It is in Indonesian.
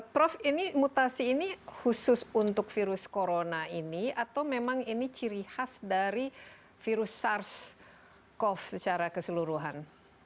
prof ini mutasi ini khusus untuk virus corona ini atau memang ini ciri khas dari virus sars cov secara keseluruhan